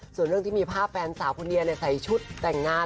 ส่วนเรื่องที่มีภาพแฟนสาวคุณเดียใส่ชุดแต่งงาน